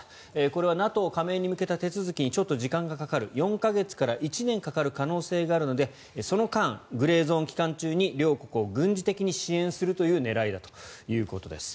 これはＮＡＴＯ加盟に向けた手続きにちょっと時間がかかる４か月から１年ぐらいかかる可能性があるのでその間、グレーゾーン期間中に両国を軍事的に支援する狙いだということです。